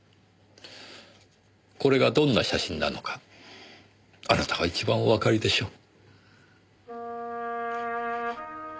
これがどんな写真なのかあなたが一番おわかりでしょう。